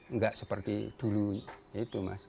nggak seperti dulu itu mas